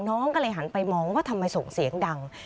น้องก็เลยหันไปมองว่าทำไมส่งเสียงดัง